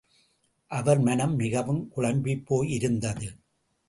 அவர் மனம் மிகவும் குழம்பிப்போய் இருந்தது.